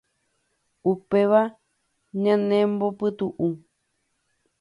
Upéva ñanembopytu'u.